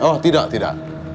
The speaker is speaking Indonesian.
oh tidak tidak